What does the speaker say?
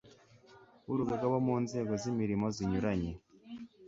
b urugaga bo mu nzego z imirimo zinyuranye